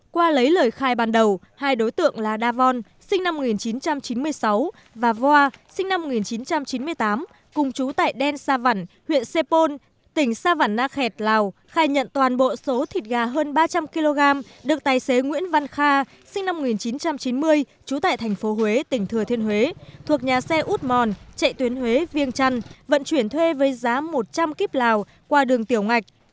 qua lấy lời khai ban đầu hai đối tượng là đa vòn sinh năm một nghìn chín trăm chín mươi sáu và voa sinh năm một nghìn chín trăm chín mươi tám cùng chú tại đen sa vẳn huyện xê pôn tỉnh sa vẳn na khẹt lào khai nhận toàn bộ số thịt gà hơn ba trăm linh kg được tài xế nguyễn văn kha sinh năm một nghìn chín trăm chín mươi chú tại thành phố huế tỉnh thừa thiên huế thuộc nhà xe út mòn chạy tuyến huế viêng trăn vận chuyển thuê với giá một trăm linh kíp lào qua đường tiểu ngạch để đưa vào thị trấn lào bảo